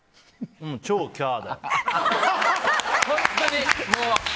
超キャーだよ。